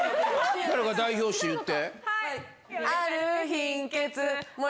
誰か代表して言うて。